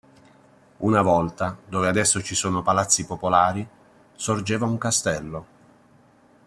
Una volta, dove adesso ci sono palazzi popolari, sorgeva un castello.